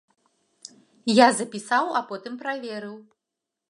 Я запісаў, а потым праверыў.